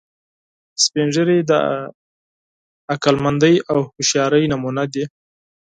سپین ږیری د عقلمندۍ او هوښیارۍ نمونه دي